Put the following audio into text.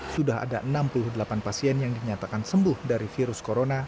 sudah ada enam puluh delapan pasien yang dinyatakan sembuh dari virus corona